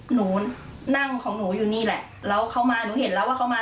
หนูนั่งของหนูอยู่นี่แหละแล้วเขามาหนูเห็นแล้วว่าเขามา